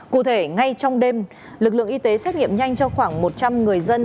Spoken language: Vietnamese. cụ thể ngay trong đêm lực lượng y tế xét nghiệm nhanh cho khoảng một trăm linh người dân